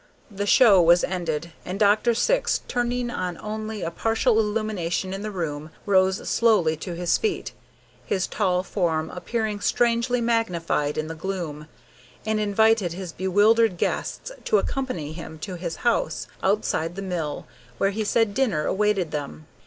The show was ended, and Dr. Syx, turning on only a partial illumination in the room, rose slowly to his feet, his tall form appearing strangely magnified in the gloom, and invited his bewildered guests to accompany him to his house, outside the mill, where he said dinner awaited them.